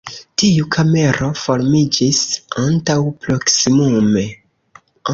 Tiu kamero formiĝis antaŭ proksimume.